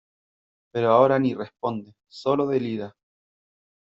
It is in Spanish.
pero ahora ni responde , solo delira .